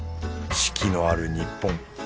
四季のある日本。